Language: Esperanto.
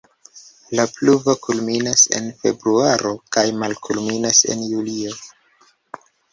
La pluvo kulminas en februaro kaj malkulminas en julio.